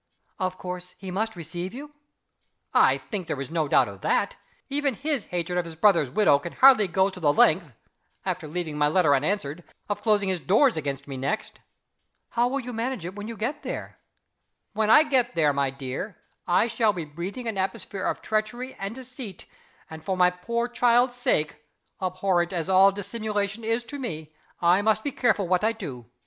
"Of course, he must receive you?" "I think there is no doubt of that. Even his hatred of his brother's widow can hardly go to the length after leaving my letter unanswered of closing his doors against me next." "How will you manage it when you get there?" "When I get there, my dear, I shall be breathing an atmosphere of treachery and deceit; and, for my poor child's sake (abhorrent as all dissimulation is to me), I must be careful what I do.